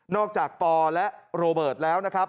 อกจากปอและโรเบิร์ตแล้วนะครับ